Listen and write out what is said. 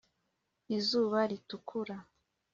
izuba ritukura